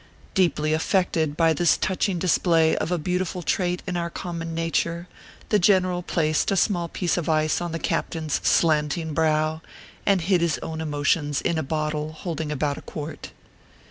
Deeply affected by this touching display of a beau tiful trait in our common nature, the general placed a small piece of ice on the captain s slanting brow, and hid his own emotions in a bottle holding about a quart.